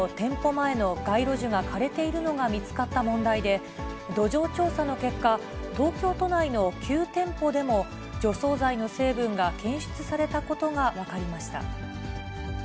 前の街路樹が枯れているのが見つかった問題で、土壌調査の結果、東京都内の９店舗でも、除草剤の成分が検出されたことが分かりました。